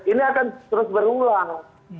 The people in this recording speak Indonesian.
ini akan terus berulang